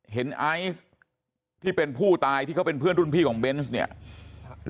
ไอซ์ที่เป็นผู้ตายที่เขาเป็นเพื่อนรุ่นพี่ของเบนส์เนี่ย